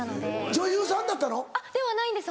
女優さんだったの？ではないんです。